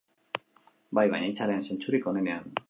Bai, baina hitzaren zentzurik onenean.